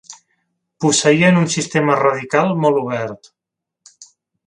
Posseïen un sistema radical molt obert.